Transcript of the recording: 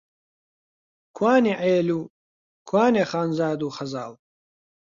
کوانێ عێل و، کوانێ خانزاد و خەزاڵ؟!